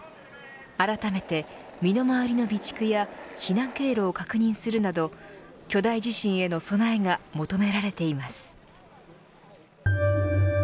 あらためて身の回りの備蓄や避難経路を確認するなど巨大地震への備えが求められています。